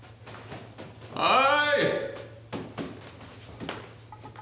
はい！